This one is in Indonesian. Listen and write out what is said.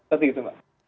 seperti itu mbak